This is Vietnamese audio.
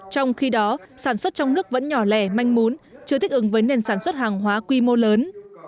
trong khi đó sản xuất trong nước vẫn nhỏ lẻ manh mún chưa thích ứng với nền sản xuất hàng hóa quy mô lớn